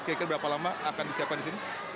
kira kira berapa lama akan disiapkan di sini